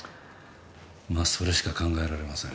まあそれしか考えられません。